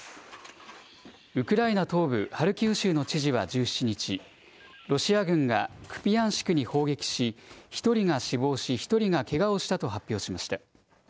ウクライナ東部ハルキウ州の知事は１７日、ロシア軍がクピヤンシクに砲撃し、１人が死亡し、１人がけがをしたと発表しました。